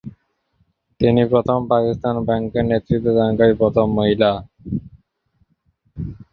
তিনি প্রথম পাকিস্তান ব্যাংকের নেতৃত্বদানকারী প্রথম মহিলা।